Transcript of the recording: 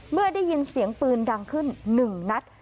เมื่อได้ยินเสียงปืนดังขึ้น๑นัด